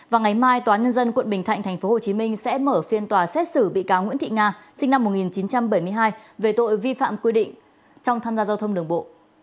và ngày mai tòa nhân dân quận bình thạnh tp hcm sẽ mở phiên tòa xét xử bị cáo nguyễn thị nga sinh năm một nghìn chín trăm bảy mươi hai về tội vi phạm quy định trong tham gia giao thông đường bộ